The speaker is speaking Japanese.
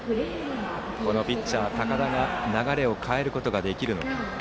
ピッチャー高田が流れを変えることができるのか。